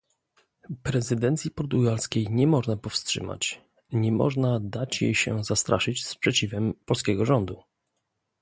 Prezydencji portugalskiej nie można powstrzymać, nie można dać jej się zastraszyć sprzeciwem polskiego rządu